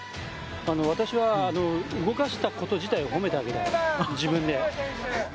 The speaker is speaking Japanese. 私は動かしたこと自体を褒めてあげたい、自分で。